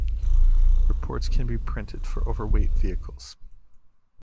Reports can be printed for overweight vehicles.